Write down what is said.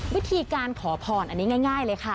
วิธีการขอพรอันนี้ง่ายเลยค่ะ